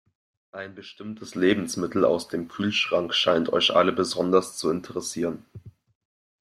Ein bestimmtes Lebensmittel aus dem Kühlschrank scheint euch alle besonders zu interessieren.